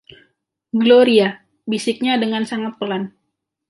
“Gloria”, bisiknya dengan sangat pelan.